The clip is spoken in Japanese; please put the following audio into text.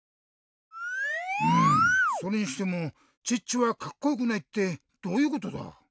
うんそれにしてもチッチはカッコよくないってどういうことだ！